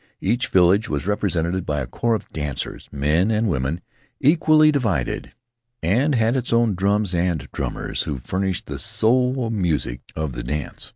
Each village was represented by a corps of dancers, men and women equally divided, and had its own drums and drummers, who furnished the sole music of the dance.